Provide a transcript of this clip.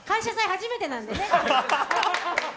初めてなんでね。